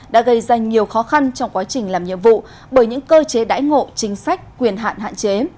đã gây ra nhiều khó khăn trong quá trình làm nhiệm vụ bởi những cơ chế đãi ngộ chính sách quyền hạn hạn chế